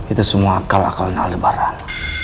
itu semua akal akal naldebaran